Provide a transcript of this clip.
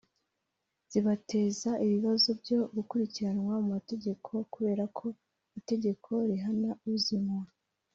zibateza ibibazo byo gukurikiranwa mu mategeko kubera ko itegeko rihana uzinywa